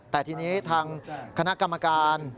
แต่ทีนี้ทางคณะกรรมการ